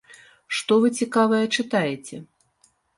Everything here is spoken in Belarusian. Што вы цікавае чытаеце?